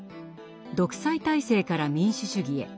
「独裁体制から民主主義へ」。